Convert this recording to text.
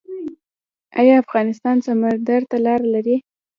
آیا افغانستان سمندر ته لاره لري؟